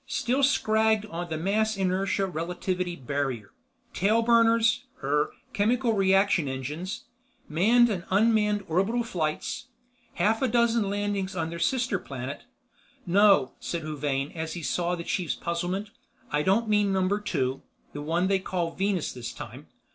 "Still scragged on the mass inertia relativity barrier. Tailburners ... er, chemical reaction engines. Manned and unmanned orbital flights. Half a dozen landings on their sister planet. No," said Huvane as he saw the chief's puzzlement, "I don't mean Number Two ... the one they call Venus this time.